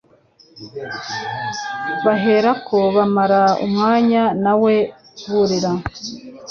baherako bamarana umwanya na we burira."